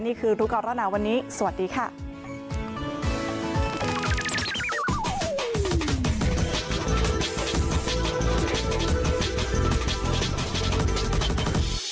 สินเจียงอุยกูนั่นเองแล